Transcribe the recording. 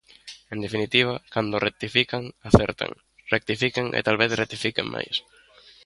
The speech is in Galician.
En definitiva, cando rectifican, acertan; rectifiquen e talvez rectifiquen máis.